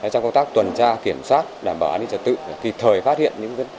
trong công tác tuần tra kiểm soát đảm bảo an ninh trật tự kịp thời phát hiện những